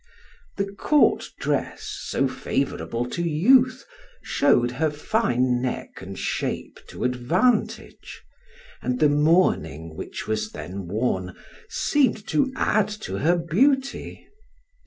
The court dress, so favorable to youth, showed her fine neck and shape to advantage, and the mourning, which was then worn, seemed to add to her beauty.